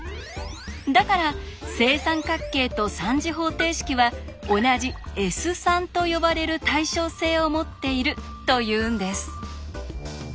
だから正三角形と３次方程式は同じ「Ｓ」と呼ばれる対称性を持っているというんです。